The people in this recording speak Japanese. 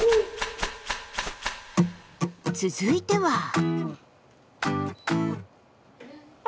続いては。